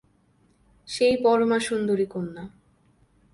–সেই পরমাসুন্দরী কন্যা!